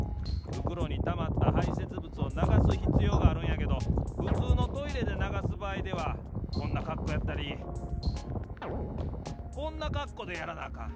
ふくろにたまったはいせつぶつをながすひつようがあるんやけどふつうのトイレでながすばあいではこんなかっこうやったりこんなかっこうでやらなあかん。